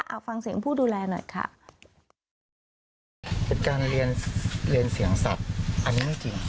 เอาฟังเสียงผู้ดูแลหน่อยค่ะเป็นการเรียนเรียนเสียงสัตว์อันนี้ไม่จริง